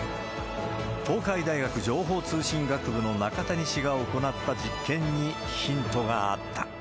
東海大学情報通信学部の中谷氏が行った実験にヒントがあった。